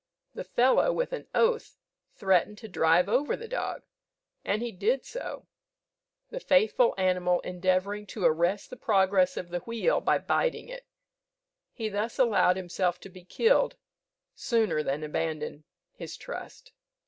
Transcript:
The fellow, with an oath, threatened to drive over the dog, and he did so, the faithful animal endeavouring to arrest the progress of the wheel by biting it. He thus allowed himself to be killed sooner than abandon his trust.